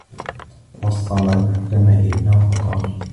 وَوَصَّى بَعْضُ الْحُكَمَاءِ ابْنَهُ فَقَالَ